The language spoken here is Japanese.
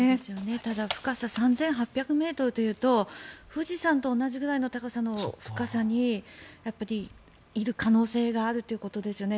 ただ深さ３８００ｍというと富士山と同じぐらいの高さの深さにいる可能性があるということですよね。